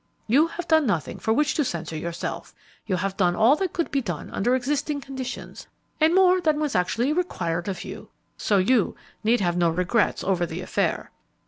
You have done nothing for which to censure yourself; you have done all that could be done under existing conditions, and more than was actually required of you; so you need have no regrets over the affair."